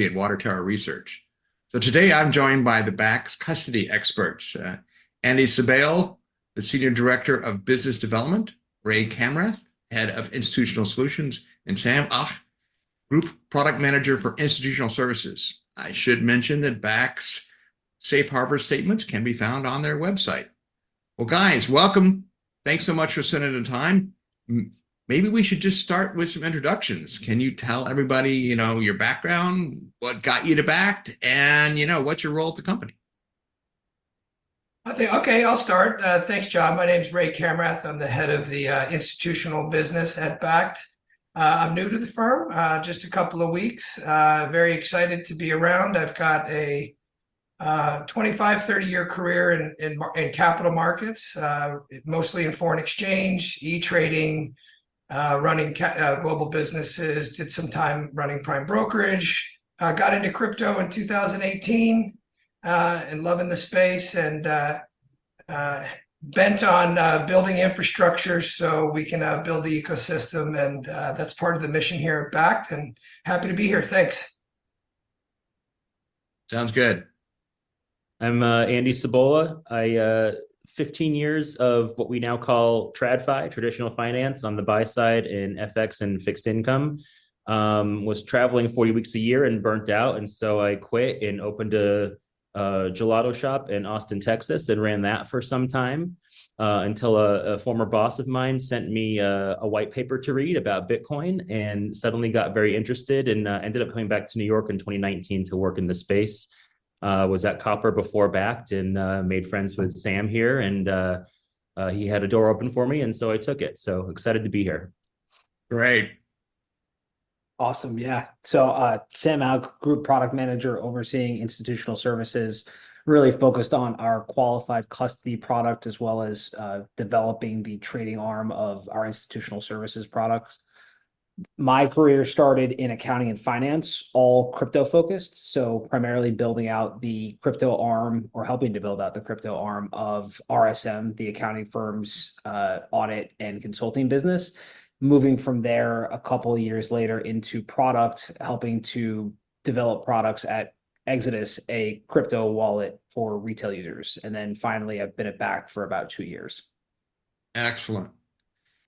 Water Tower Research. So today I'm joined by Bakkt's custody experts, Andy Sabola, the Senior Director of Business Development, Ray Kamrath, Head of Institutional Solutions, and Sam Auch, Group Product Manager for Institutional Services. I should mention that Bakkt's safe harbor statements can be found on their website. Well, guys, welcome. Thanks so much for spending the time. Maybe we should just start with some introductions. Can you tell everybody, you know, your background, what got you to Bakkt, and, you know, what's your role at the company? I think, okay, I'll start. Thanks, John. My name's Ray Kamrath. I'm the head of the institutional business at Bakkt. I'm new to the firm, just a couple of weeks. Very excited to be around. I've got a 25-year-30-year career in capital markets, mostly in foreign exchange, e-trading, running global businesses. Did some time running prime brokerage. Got into crypto in 2018, and loving the space and bent on building infrastructure so we can build the ecosystem and that's part of the mission here at Bakkt, and happy to be here. Thanks. Sounds good. I'm Andy Sabola. I 15 years of what we now call TradFi, traditional finance, on the buy side in FX and fixed income. Was travelling 40 weeks a year and burnt out, and so I quit and opened a gelato shop in Austin, Texas, and ran that for some time, until a former boss of mine sent me a white paper to read about Bitcoin and suddenly got very interested and ended up coming back to New York in 2019 to work in the space. Was at Copper before Bakkt and made friends with Sam here, and he had a door open for me, and so I took it. So, excited to be here. Great. Awesome. Yeah. So, Sam Auch, Group Product Manager overseeing institutional services, really focused on our qualified custody product, as well as, developing the trading arm of our institutional services products. My career started in accounting and finance, all crypto-focused, so primarily building out the crypto arm or helping to build out the crypto arm of RSM, the accounting firm's, audit and consulting business. Moving from there a couple of years later into product, helping to develop products at Exodus, a crypto wallet for retail users. And then finally, I've been at Bakkt for about two years. Excellent.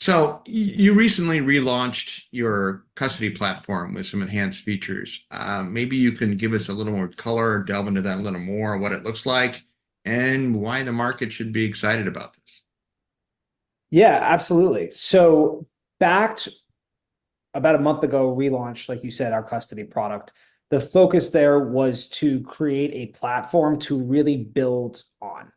So you recently relaunched your custody platform with some enhanced features. Maybe you can give us a little more color or delve into that a little more, what it looks like, and why the market should be excited about this? Yeah, absolutely. So Bakkt, about a month ago, relaunched, like you said, our custody product. The focus there was to create a platform to really build on.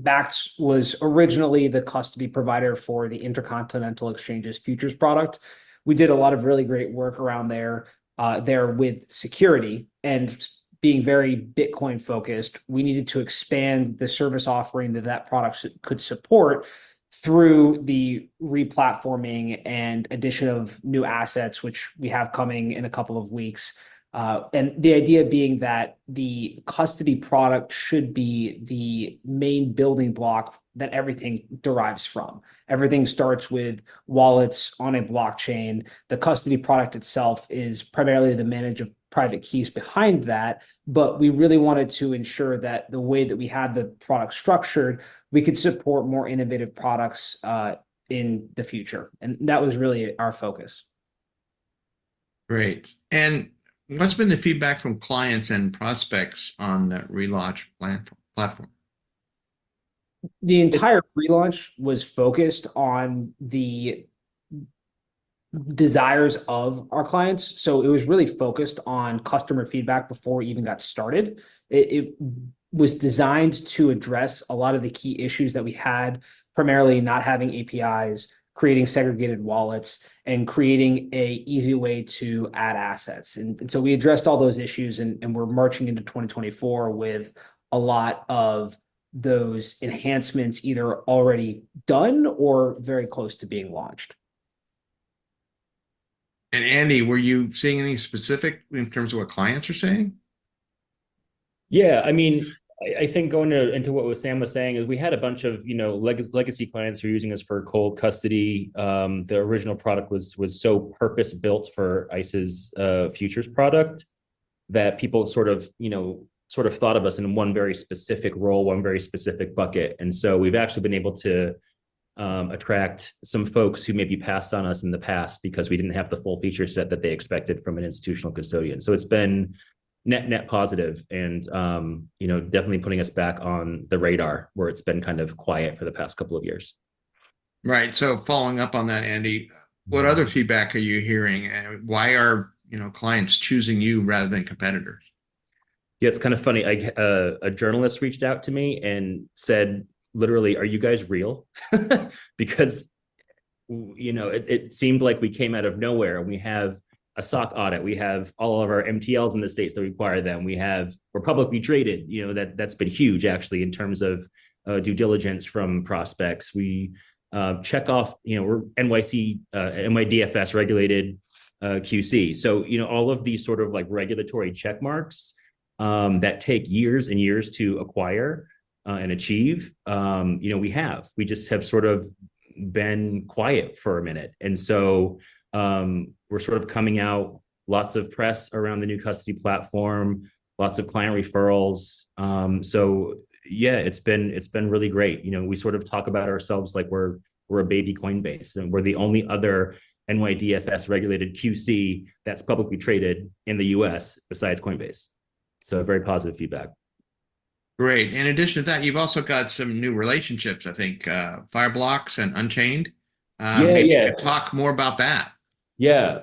Bakkt was originally the custody provider for the Intercontinental Exchange's futures product. We did a lot of really great work around there, there with security and being very Bitcoin-focused. We needed to expand the service offering that product could support through the replatforming and addition of new assets, which we have coming in a couple of weeks. And the idea being that the custody product should be the main building block that everything derives from. Everything starts with wallets on a blockchain. The custody product itself is primarily the management of private keys behind that, but we really wanted to ensure that the way that we had the product structured, we could support more innovative products in the future, and that was really our focus. Great. And what's been the feedback from clients and prospects on that relaunched platform, platform? The entire relaunch was focused on the desires of our clients, so it was really focused on customer feedback before we even got started. It was designed to address a lot of the key issues that we had, primarily not having APIs, creating segregated wallets, and creating an easy way to add assets. And so we addressed all those issues, and we're marching into 2024 with a lot of those enhancements either already done or very close to being launched. Andy, were you seeing any specific in terms of what clients are saying? Yeah, I mean, I think going into what Sam was saying is we had a bunch of, you know, legacy clients who were using us for cold custody. The original product was so purpose-built for ICE's futures product, that people sort of, you know, sort of thought of us in one very specific role, one very specific bucket. And so we've actually been able to attract some folks who maybe passed on us in the past because we didn't have the full feature set that they expected from an institutional custodian. So it's been net positive and, you know, definitely putting us back on the radar, where it's been kind of quiet for the past couple of years. Right. So following up on that, Andy, what other feedback are you hearing, and why are, you know, clients choosing you rather than competitors? Yeah, it's kind of funny. A journalist reached out to me and said, literally, "Are you guys real?" Because, you know, it, it seemed like we came out of nowhere. We have a SOC audit. We have all of our MTLs in the states that require them. We have... We're publicly traded. You know, that, that's been huge, actually, in terms of due diligence from prospects. We check off, you know, we're NYC NYDFS-regulated QC. So, you know, all of these sort of, like, regulatory check marks that take years and years to acquire and achieve, you know, we have. We just have sort of been quiet for a minute. And so, we're sort of coming out, lots of press around the new custody platform, lots of client referrals. So yeah, it's been, it's been really great. You know, we sort of talk about ourselves like we're, we're a baby Coinbase, and we're the only other NYDFS-regulated QC that's publicly traded in the U.S. besides Coinbase. So very positive feedback. Great. In addition to that, you've also got some new relationships, I think, Fireblocks and Unchained, Yeah, yeah Maybe talk more about that. Yeah.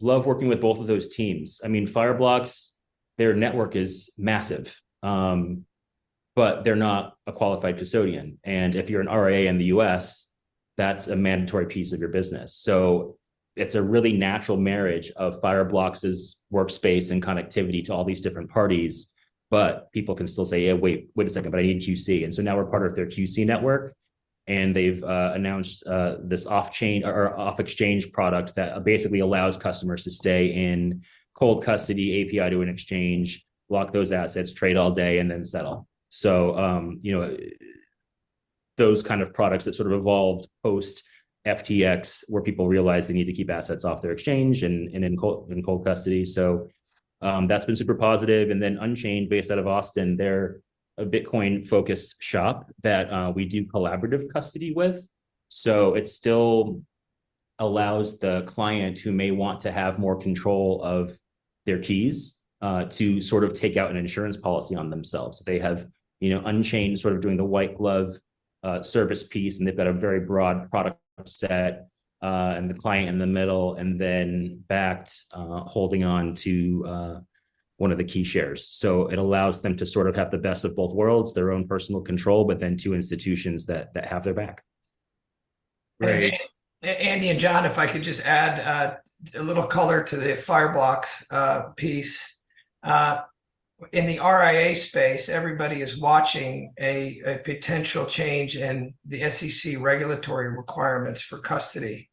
Love working with both of those teams. I mean, Fireblocks, their network is massive. But they're not a qualified custodian. And if you're an RIA in the U.S., that's a mandatory piece of your business. So it's a really natural marriage of Fireblocks's workspace and connectivity to all these different parties, but people can still say, "Yeah, wait, wait a second, but I need QC." And so now we're part of their QC network, and they've announced this off-chain or off-exchange product that basically allows customers to stay in cold custody, API to an exchange, lock those assets, trade all day, and then settle. So, you know, those kind of products that sort of evolved post-FTX, where people realized the need to keep assets off their exchange and in cold custody. So, that's been super positive. Then Unchained, based out of Austin, they're a Bitcoin-focused shop that we do collaborative custody with. So it still allows the client who may want to have more control of their keys to sort of take out an insurance policy on themselves. They have, you know, Unchained sort of doing the white glove service piece, and they've got a very broad product set, and the client in the middle, and then Bakkt holding on to one of the key shares. So it allows them to sort of have the best of both worlds, their own personal control, but then two institutions that have their back. Great. Andy and John, if I could just add a little color to the Fireblocks piece. In the RIA space, everybody is watching a potential change in the SEC regulatory requirements for custody.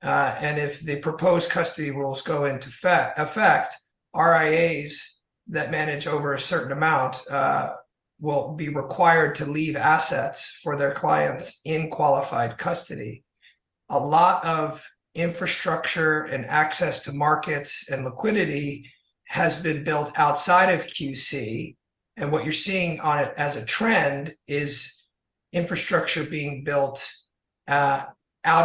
And if the proposed custody rules go into effect, RIAs that manage over a certain amount will be required to leave assets for their clients in qualified custody. A lot of infrastructure and access to markets and liquidity has been built outside of QC, and what you're seeing on it as a trend is infrastructure being built out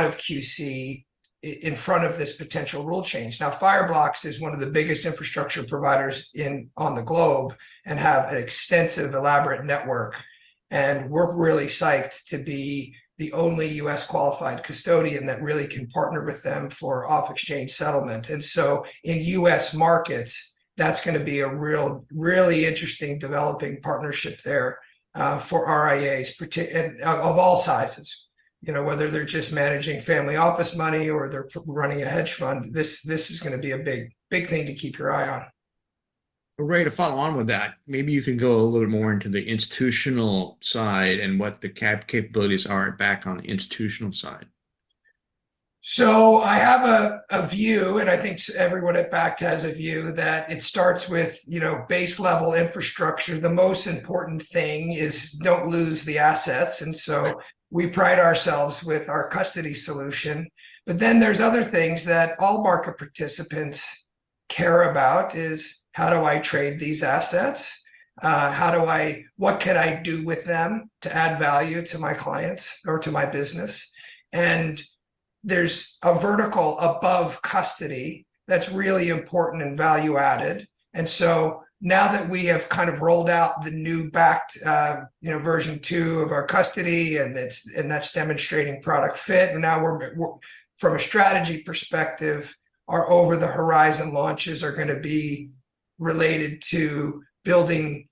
of QC in front of this potential rule change. Now, Fireblocks is one of the biggest infrastructure providers on the globe and have an extensive, elaborate network, and we're really psyched to be the only U.S. qualified custodian that really can partner with them for off-exchange settlement. In U.S. markets, that's gonna be a real, really interesting developing partnership there for RIAs, particularly, and of all sizes. You know, whether they're just managing family office money or they're running a hedge fund, this is gonna be a big, big thing to keep your eye on. Well, Ray, to follow on with that, maybe you can go a little more into the institutional side and what the capabilities are at Bakkt on the institutional side. So I have a view, and I think everyone at Bakkt has a view, that it starts with, you know, base-level infrastructure. The most important thing is don't lose the assets, and so- Right ... we pride ourselves with our custody solution. But then there's other things that all market participants care about: How do I trade these assets? How do I... What can I do with them to add value to my clients or to my business? And there's a vertical above custody that's really important and value-added. And so now that we have kind of rolled out the new Bakkt, you know, version two of our custody, and it's and that's demonstrating product fit, now we're, from a strategy perspective, our over-the-horizon launches are gonna be related to building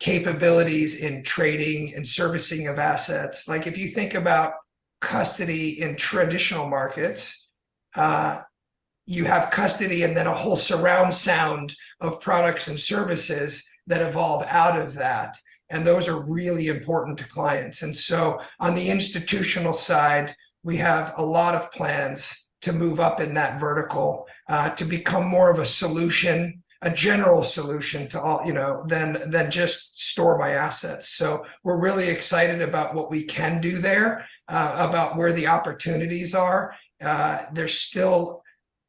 capabilities in trading and servicing of assets. Like, if you think about custody in traditional markets, you have custody and then a whole surround sound of products and services that evolve out of that, and those are really important to clients. So on the institutional side, we have a lot of plans to move up in that vertical to become more of a solution, a general solution to all, you know, than just store my assets. So we're really excited about what we can do there, about where the opportunities are. There's still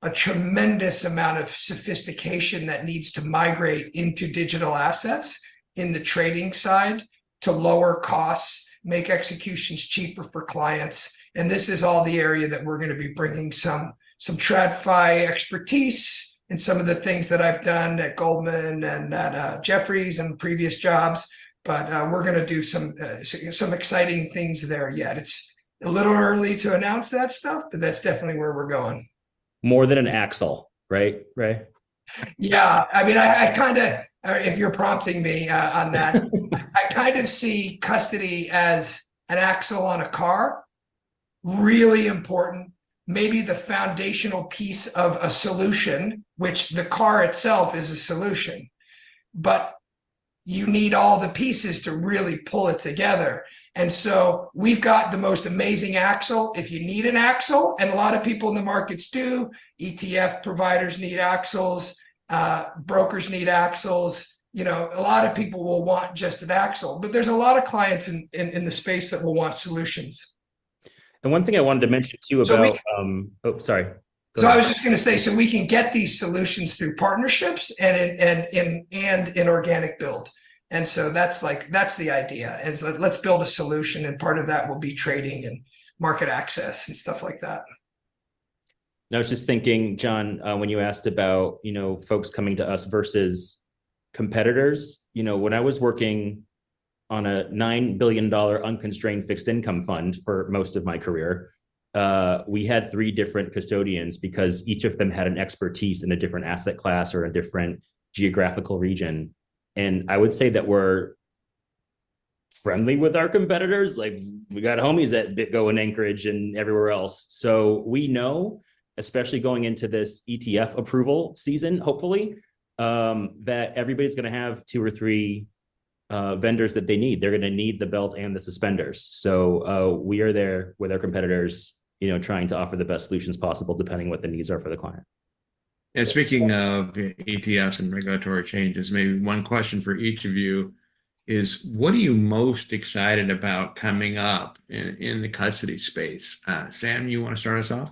a tremendous amount of sophistication that needs to migrate into digital assets in the trading side to lower costs, make executions cheaper for clients, and this is all the area that we're gonna be bringing some TradFi expertise and some of the things that I've done at Goldman and at Jefferies in previous jobs. But we're gonna do some exciting things there yet. It's a little early to announce that stuff, but that's definitely where we're going. More than an axle, right, Ray? Yeah. I mean, if you're prompting me on that, I kind of see custody as an axle on a car. Really important, maybe the foundational piece of a solution, which the car itself is a solution, but you need all the pieces to really pull it together. And so we've got the most amazing axle, if you need an axle, and a lot of people in the markets do. ETF providers need axles, brokers need axles. You know, a lot of people will want just an axle, but there's a lot of clients in the space that will want solutions.... And one thing I wanted to mention, too, about- So we- Oh, sorry. So I was just gonna say, we can get these solutions through partnerships and in organic build. That's, like, the idea. Let's build a solution, and part of that will be trading and market access and stuff like that. I was just thinking, John, when you asked about, you know, folks coming to us versus competitors. You know, when I was working on a $9 billion unconstrained fixed income fund for most of my career, we had three different custodians because each of them had an expertise in a different asset class or a different geographical region. I would say that we're friendly with our competitors, like, we got homies at BitGo and Anchorage and everywhere else. So we know, especially going into this ETF approval season, hopefully, that everybody's gonna have two or three vendors that they need. They're gonna need the belt and the suspenders. We are there with our competitors, you know, trying to offer the best solutions possible, depending what the needs are for the client. Speaking of ETFs and regulatory changes, maybe one question for each of you is: what are you most excited about coming up in the custody space? Sam, you wanna start us off?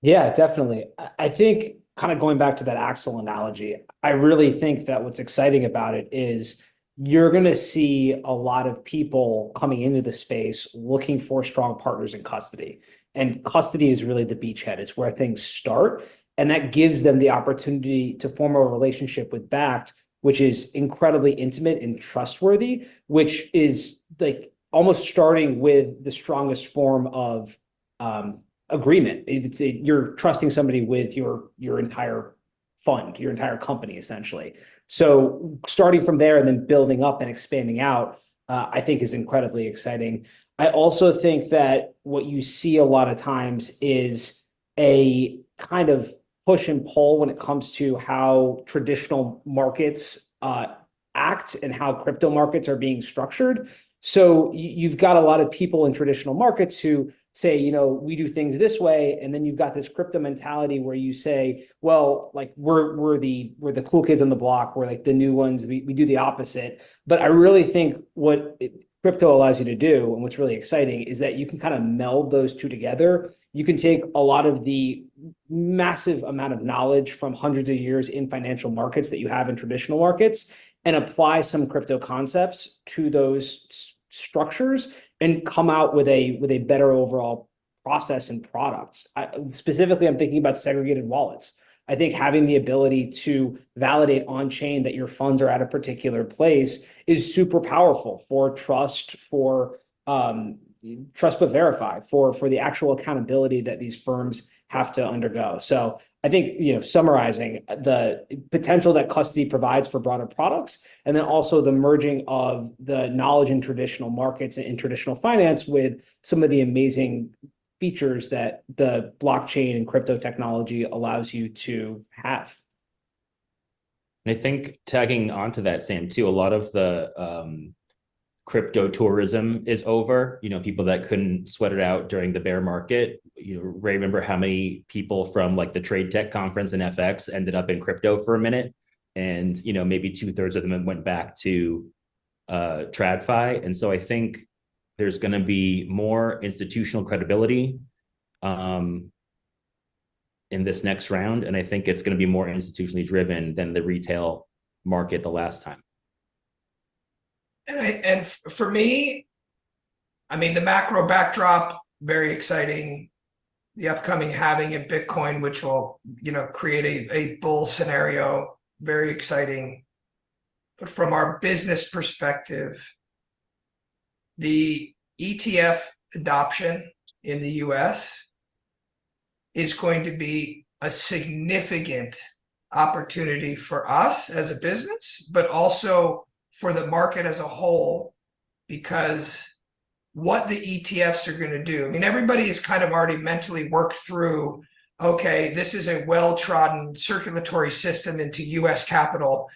Yeah, definitely. I think kind of going back to that axle analogy, I really think that what's exciting about it is you're gonna see a lot of people coming into the space looking for strong partners in custody. And custody is really the beachhead. It's where things start, and that gives them the opportunity to form a relationship with Bakkt, which is incredibly intimate and trustworthy, which is, like, almost starting with the strongest form of, agreement. You're trusting somebody with your entire fund, your entire company, essentially. So starting from there and then building up and expanding out, I think is incredibly exciting. I also think that what you see a lot of times is a kind of push and pull when it comes to how traditional markets act and how crypto markets are being structured. So you've got a lot of people in traditional markets who say, "You know, we do things this way." And then you've got this crypto mentality where you say, "Well, like, we're the cool kids on the block. We're, like, the new ones. We do the opposite." But I really think what crypto allows you to do, and what's really exciting, is that you can kind of meld those two together. You can take a lot of the massive amount of knowledge from hundreds of years in financial markets that you have in traditional markets and apply some crypto concepts to those structures and come out with a better overall process and products. Specifically, I'm thinking about segregated wallets. I think having the ability to validate on chain that your funds are at a particular place is super powerful for trust, for trust but verify, for the actual accountability that these firms have to undergo. So I think, you know, summarizing, the potential that custody provides for broader products and then also the merging of the knowledge in traditional markets and in traditional finance with some of the amazing features that the blockchain and crypto technology allows you to have. I think tagging onto that, Sam, too, a lot of the crypto tourism is over. You know, people that couldn't sweat it out during the bear market. You know, Ray, remember how many people from, like, the trade tech conference in FX ended up in crypto for a minute? And, you know, maybe two-thirds of them then went back to TradFi. And so I think there's gonna be more institutional credibility in this next round, and I think it's gonna be more institutionally driven than the retail market the last time. For me, I mean, the macro backdrop, very exciting. The upcoming halving in Bitcoin, which will, you know, create a bull scenario, very exciting. But from our business perspective, the ETF adoption in the U.S. is going to be a significant opportunity for us as a business, but also for the market as a whole. Because what the ETFs are gonna do... I mean, everybody has kind of already mentally worked through, okay, this is a well-trodden circulatory system into U.S. capital.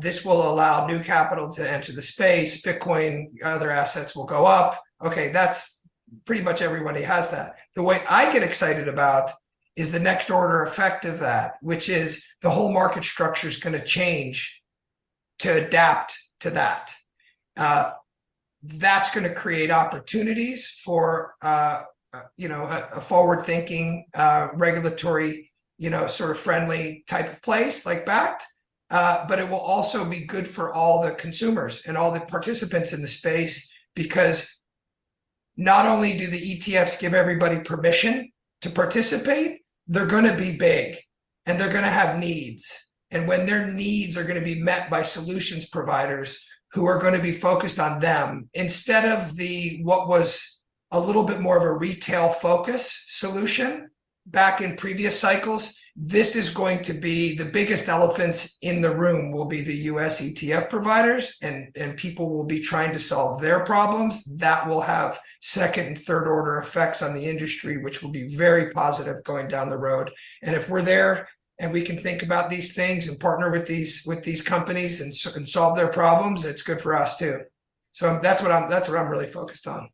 This will allow new capital to enter the space. Bitcoin, other assets will go up. Okay, that's, pretty much everybody has that. The way I get excited about is the next order effect of that, which is the whole market structure's gonna change to adapt to that. That's gonna create opportunities for, you know, a forward-thinking, regulatory, you know, sort of friendly type of place like Bakkt. But it will also be good for all the consumers and all the participants in the space, because not only do the ETFs give everybody permission to participate, they're gonna be big, and they're gonna have needs. And when their needs are gonna be met by solutions providers who are gonna be focused on them, instead of the, what was a little bit more of a retail-focused solution back in previous cycles, this is going to be the biggest elephant in the room will be the U.S. ETF providers, and people will be trying to solve their problems. That will have second- and third-order effects on the industry, which will be very positive going down the road. If we're there, and we can think about these things and partner with these companies and solve their problems, it's good for us, too. That's what I'm really focused on.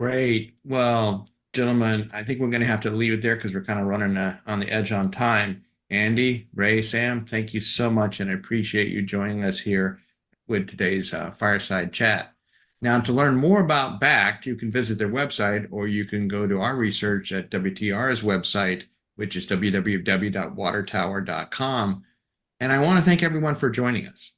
Great. Well, gentlemen, I think we're gonna have to leave it there 'cause we're kind of running on the edge on time. Andy, Ray, Sam, thank you so much, and I appreciate you joining us here with today's Fireside Chat. Now, to learn more about Bakkt, you can visit their website, or you can go to our research at WTR's website, which is www.watertower.com. I wanna thank everyone for joining us.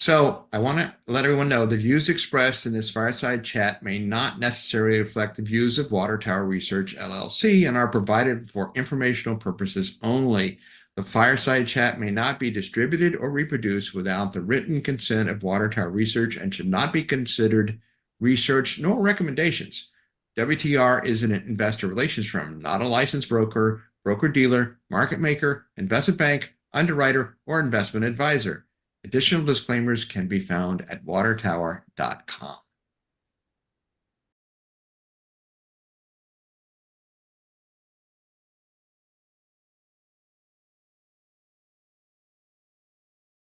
So I wanna let everyone know, the views expressed in this Fireside Chat may not necessarily reflect the views of Water Tower Research LLC, and are provided for informational purposes only. The Fireside Chat may not be distributed or reproduced without the written consent of Water Tower Research and should not be considered research nor recommendations. WTR is an investor relations firm, not a licensed broker, broker-dealer, market maker, investment bank, underwriter, or investment advisor. Additional disclaimers can be found at watertower.com.